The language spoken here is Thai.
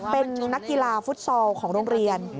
เป็นนักกีฬาฟุตซอลของโรงเรียน